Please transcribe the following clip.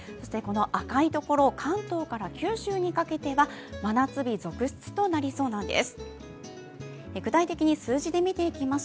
赤いところ、関東から九州にかけては真夏日続出となりそうなんです。